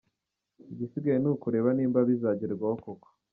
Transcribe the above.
Igisigaye ni ukureba niba bizagerwaho koko.